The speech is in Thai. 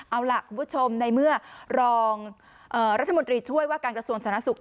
เอาล่ะคุณผู้ชมในเมื่อรองรัฐมนตรีช่วยว่าการกระทรวงสาธารณสุข